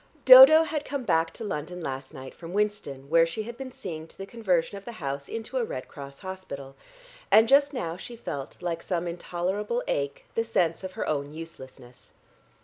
Dodo had come back to London last night from Winston where she had been seeing to the conversion of the house into a Red Cross hospital, and just now she felt, like some intolerable ache, the sense of her own uselessness.